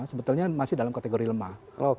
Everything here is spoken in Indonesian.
sebetulnya masih dalam kategori lemah